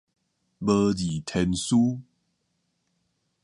無字天書